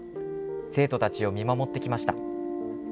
生徒たちを見守ってきました。